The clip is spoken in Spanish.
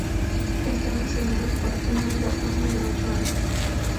Están diseñados para una vida útil de ocho años.